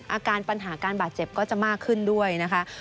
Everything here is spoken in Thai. อาการปัญหาการบาดเจ็บก็จะมากขึ้นด้วยนะคะ